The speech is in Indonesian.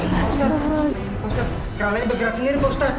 randa nya bergerak sendiri pak ustadz